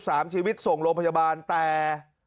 สามชีวิตส่งโรงพยาบาลแต่